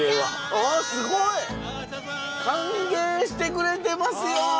あっすごい！歓迎してくれてますよ。